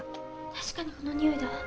確かにこの匂いだわ。